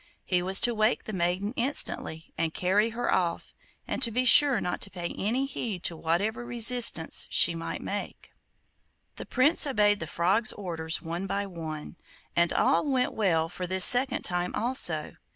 He was to wake the maiden instantly and carry her off, and to be sure not to pay any heed to whatever resistance she might make. The Prince obeyed the Frog's orders one by one, and all went well for this second time also.